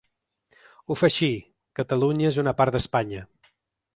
Ho fa així: Catalunya és una part d’Espanya.